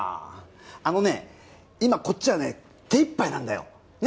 あのね今こっちはね手いっぱいなんだよ。ね？